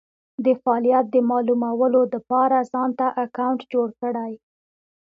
دفعالیت د مالومولو دپاره ځانته اکونټ جوړ کړی